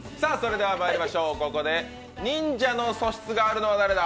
ここで忍者の素質があるのは誰だ？